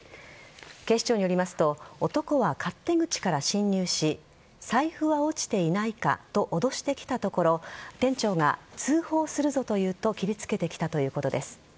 警視庁によりますと男は勝手口から侵入し財布は落ちていないかと脅してきたところ店長が通報するぞと言うと切りつけてきたということです。